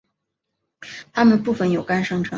它们部分由肝生成。